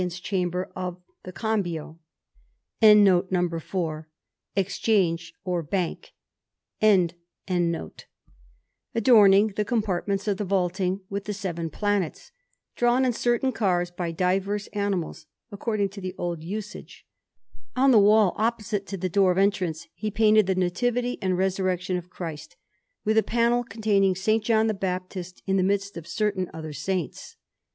Panel_)] Afterwards he painted in fresco the whole of the Audience Chamber of the Cambio, adorning the compartments of the vaulting with the seven planets, drawn in certain cars by diverse animals, according to the old usage; on the wall opposite to the door of entrance he painted the Nativity and Resurrection of Christ, with a panel containing S. John the Baptist in the midst of certain other saints.